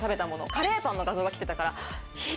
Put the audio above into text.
カレーパンの画像が来てたから。